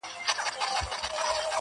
وايي منصور یم خو له دار سره مي نه لګیږي-